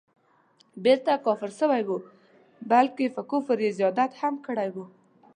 بیرته کافر سوی وو بلکه پر کفر یې زیادت هم کړی وو.